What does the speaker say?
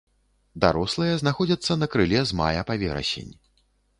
Дарослыя знаходзяцца на крыле з мая па верасень.